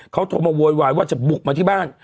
เขาโทรมาโวยวายว่าจะบุกมาที่บ้าน